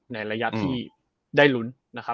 ในระยะที่ได้หลุน